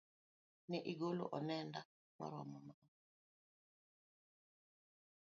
Ne igolo onenda maromo nade?